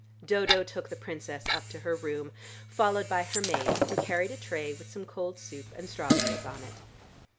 Dodo took the Princess up to her room, followed by her maid who carried a tray with some cold soup and strawberries on it.